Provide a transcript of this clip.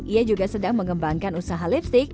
ia juga sedang mengembangkan usaha lipstick